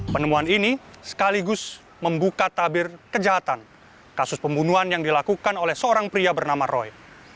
penemuan ini sekaligus membuka tabir kejahatan kasus pembunuhan yang dilakukan oleh seorang pria bernama roy